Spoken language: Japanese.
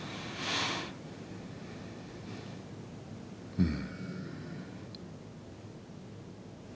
うん。